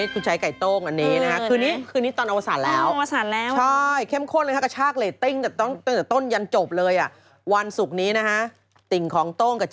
ไปปั้งต่อหน้าต่อตาโตงหรือว่าโดนัส